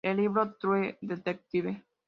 El libro ""True Detective".